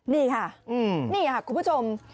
นี่ค่ะคุณผู้ชม